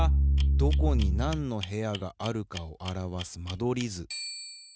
どこになんの部屋があるかをあらわす間取り図。